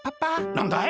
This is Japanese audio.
なんだい？